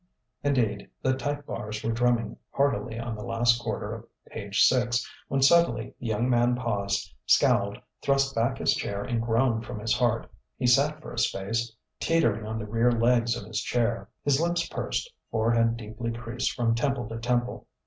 Indeed the type bars were drumming heartily on the last quarter of page 6, when suddenly the young man paused, scowled, thrust back his chair and groaned from his heart. He sat for a space, teetering on the rear legs of his chair, his lips pursed, forehead deeply creased from temple to temple.